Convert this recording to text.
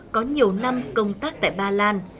có nhiều năm công tác tại ba lan